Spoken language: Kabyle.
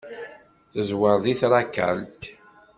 Teẓwer deg trakalt.